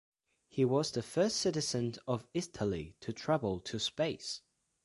He was the first citizen of Italy to travel to space.